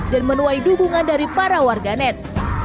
dan menuai dukungan dari para warganet